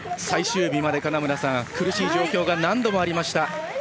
最終日まで、金村さん苦しい状況が何度もありました。